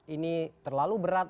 ini terlalu berat